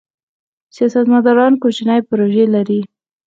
سیاستمداران کوچنۍ پروژې لري.